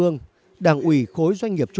chúng tôi có một lịch sử